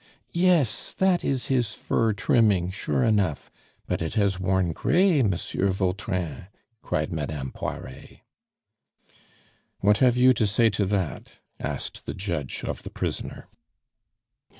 "Yes, that is his fur trimming, sure enough! But it has worn gray, Monsieur Vautrin," cried Madame Poiret. "What have you to say to that?" asked the judge of the prisoner.